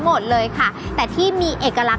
เพราะว่าผักหวานจะสามารถทำออกมาเป็นเมนูอะไรได้บ้าง